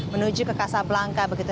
menuju ke kasab langka begitu